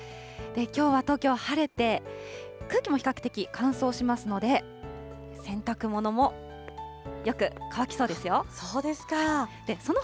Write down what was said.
きょうは東京、晴れて、空気も比較的乾燥しますので、洗濯物もよく乾きそうですよ。